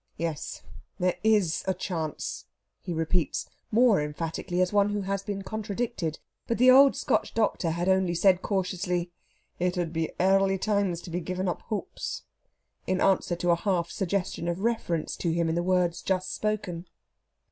"Yes there is a chance," he repeats, more emphatically, as one who has been contradicted. But the old Scotch doctor had only said cautiously, "It would be airly times to be geevin' up hopes," in answer to a half suggestion of reference to him in the words just spoken.